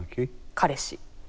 彼氏。